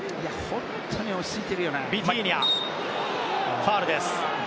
ファウルです。